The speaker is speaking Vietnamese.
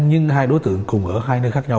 nhưng hai đối tượng cùng ở hai nơi khác nhau